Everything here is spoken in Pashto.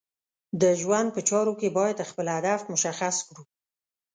د ژوند په چارو کې باید خپل هدف مشخص کړو.